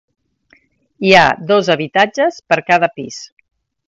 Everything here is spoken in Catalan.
Hi ha dos habitatges per cada pis.